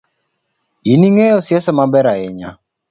In ingeyo siasa maber ahinya.